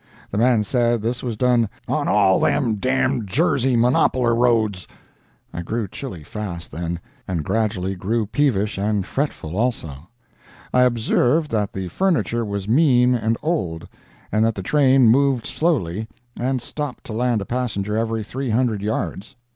The man said this was done "on all them d——d Jersey monopoler roads." I grew chilly fast, then, and gradually grew peevish and fretful, also. I observed that the furniture was mean and old, and that the train moved slowly, and stopped to land a passenger every three hundred yards.